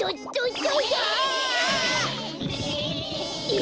え。